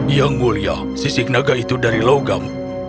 yang mulia sisik naga itu dari logam